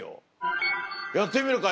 やってみるかい？